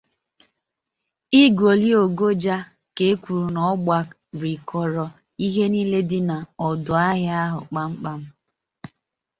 Igoli-Ogoja' ka e kwuru na ọ gbarikọrọ ihe niile dị n'ọdụ ahịa ahụ kpamkpam